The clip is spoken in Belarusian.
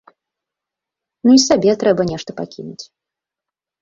Ну і сабе трэба нешта пакінуць.